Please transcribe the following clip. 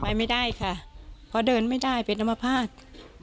ไปไม่ได้ค่ะเพราะเดินไม่ได้เป็นอมภาษณ์